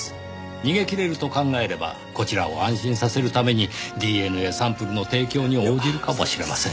逃げ切れると考えればこちらを安心させるためにＤＮＡサンプルの提供に応じるかもしれません。